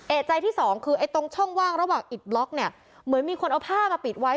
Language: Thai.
เอกใจที่สองคือไอ้ตรงช่องว่างระหว่างอิดบล็อกเนี่ยเหมือนมีคนเอาผ้ามาปิดไว้